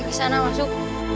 ke sana masuk